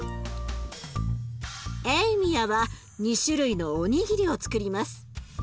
エイミアは２種類のおにぎりをつくります。